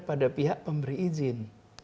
pada pihak pemberi izin